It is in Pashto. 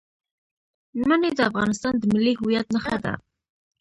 منی د افغانستان د ملي هویت نښه ده.